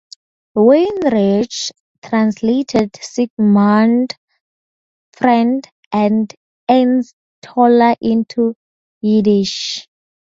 Weinreich translated Sigmund Freud and Ernst Toller into Yiddish.